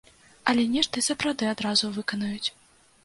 Але нешта і сапраўды адразу выканаюць.